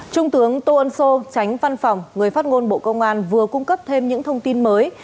trung tướng tô ân sô tránh văn phòng người phát ngôn bộ công an vừa cung cấp thêm những thông tin mới